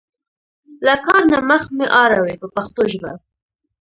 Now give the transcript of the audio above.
له کار نه مخ مه اړوئ په پښتو ژبه.